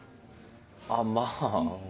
あっまぁ。